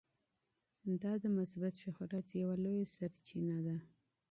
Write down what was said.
دا د مثبت شهرت یوه لویه سرچینه ده.